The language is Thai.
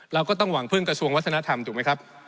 เราก็ต้องหวังพึ่งกระทรวงวัฒนธรรมถูกไหมครับ